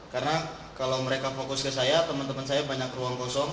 karena kalau mereka fokus ke saya temen temen saya banyak ruang kosong